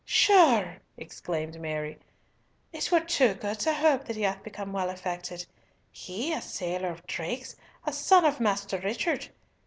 "Sure," exclaimed Mary, "it were too good to hope that he hath become well affected. He—a sailor of Drake's, a son of Master Richard!